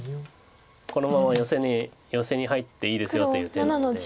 このままヨセに入っていいですよという手なので。